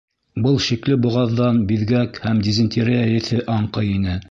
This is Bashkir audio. Был шикле боғаҙҙан биҙгәк һәм дизентерия еҫе аңҡый ине.